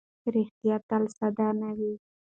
ریښتیا تل ساده نه وي.